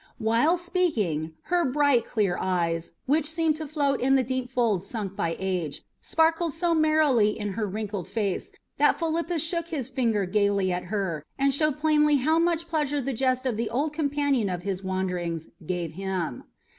While speaking, her bright, clear eyes, which seemed to float in the deep hollows sunk by age, sparkled so merrily in her wrinkled face that Philippus shook his finger gaily at her and showed plainly how much pleasure the jest of the old companion of his wanderings gave him.